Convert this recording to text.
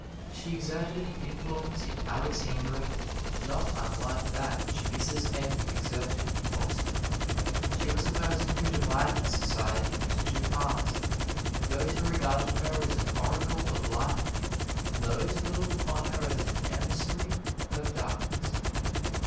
She exerted an influence in Alexandria not unlike that which Mrs. Eddy exerted in Boston. She was a person who divided society into two parts: those who regarded her as an oracle of light, and those who looked upon her as an emissary of darkness.